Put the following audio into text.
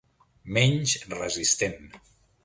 Menys resistent.